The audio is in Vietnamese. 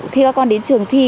khi các con đến trường thi